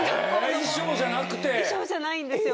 衣装じゃないんですよ。